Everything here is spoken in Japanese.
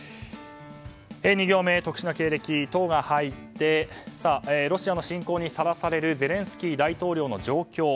２行目、特殊な経歴「ト」が入ってロシアの侵攻にさらされるゼレンスキー大統領の状況。